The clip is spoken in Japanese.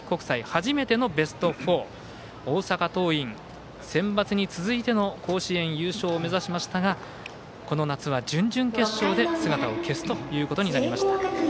初めてのベスト４大阪桐蔭、センバツに続いての甲子園優勝を目指しましたがこの夏は準々決勝で姿を消すということになりました。